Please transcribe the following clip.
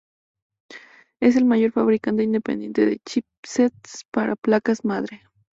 Es el mayor fabricante independiente de chipsets para placas madre.